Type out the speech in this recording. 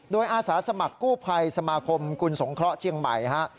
โดยอาสาสมัครกู้ภัยสมาคมกุลสงเคราะห์เชียงใหม่ฮะ